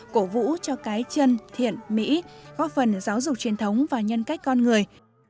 cổ vũ cho cái chân thiện mỹ góp phần giáo dục truyền thống và nhân cách con người